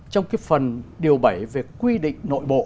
trong cái phần điều bảy về quy định nội bộ